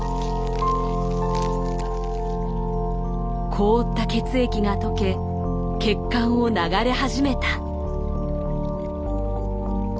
凍った血液がとけ血管を流れ始めた。